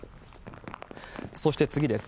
そして次です。